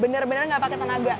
bener bener gak pake tenaga